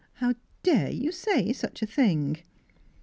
How dare you say such a thing?